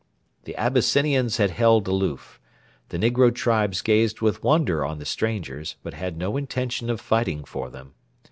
The Abyssinians had held aloof. The negro tribes gazed with wonder on the strangers, but had no intention of fighting for them.